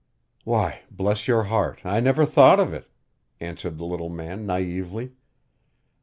"Why, bless your heart, I never thought of it!" answered the little man naïvely.